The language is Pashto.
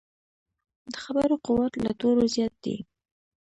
د خبرو قوت له تورو زیات دی.